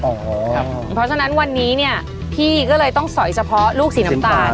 เพราะฉะนั้นวันนี้เนี่ยพี่ก็เลยต้องสอยเฉพาะลูกสีน้ำตาล